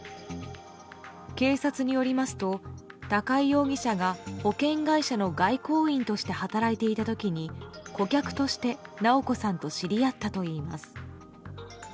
警察によりますと高井容疑者が保険会社の外交員として働いていた時に顧客として直子さんと知り合ったといいます。